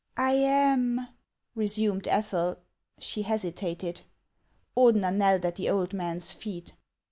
" I am —" resumed Ethel. She hesitated. Ordener knelt at the old man's feet.